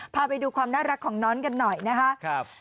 พาไปดูความน่ารักของน้องกันหน่อยนะครับ